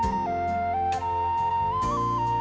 บ๊ายบาย